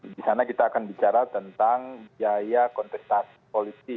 di sana kita akan bicara tentang biaya kontestasi politik